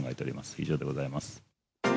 以上でございます。